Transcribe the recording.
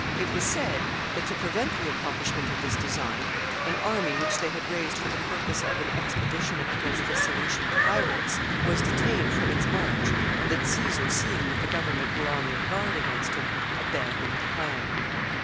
It was said that, to prevent the accomplishment of this design, an army which they had raised for the purpose of an expedition against the Cilician pirates was detained from its march, and that Caesar, seeing that the government were on their guard against him, abandoned the plan.